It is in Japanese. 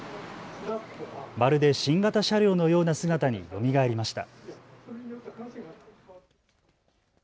まるで新型車両のような姿によみがえりました。